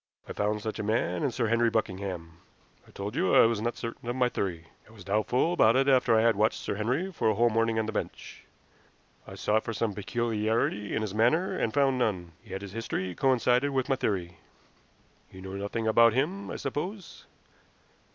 I found such a man in Sir Henry Buckingham. I told you I was not certain of my theory. I was doubtful about it after I had watched Sir Henry for a whole morning on the bench. I sought for some peculiarity in his manner, and found none. Yet his history coincided with my theory. You know nothing about him, I suppose?"